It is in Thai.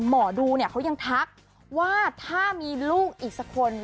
หมอดูเนี่ยเขายังทักว่าถ้ามีลูกอีกสักคน